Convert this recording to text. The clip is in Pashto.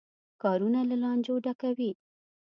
کارونه له لانجو ډکوي.